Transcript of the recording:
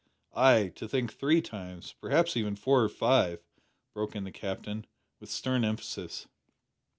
"Ay, to think three times perhaps even four or five," broke in the Captain, with stern emphasis.